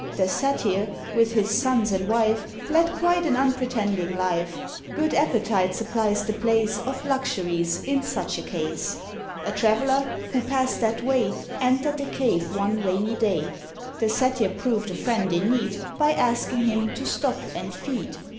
The Satyr, with his sons and wife, Led quite an unpretending life: Good appetite supplies the place Of luxuries in such a case. A Traveller, who passed that way, Entered the cave one rainy day; The Satyr proved a friend in need. By asking him to stop and feed.